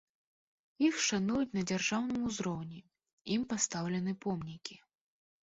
Іх шануюць на дзяржаўным узроўні, ім пастаўлены помнікі.